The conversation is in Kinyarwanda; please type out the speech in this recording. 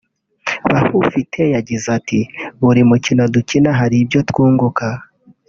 Bahufite yagize ati” Buri mukino dukina hari ibyo twunguka